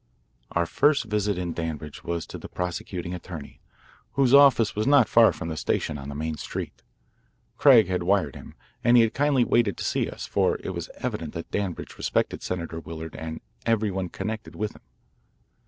Our first visit in Danbridge was to the prosecuting attorney, whose office was not far from the station on the main street. Craig had wired him, and he had kindly waited to see us, for it was evident that Danbridge respected Senator Willard and every one connected with him.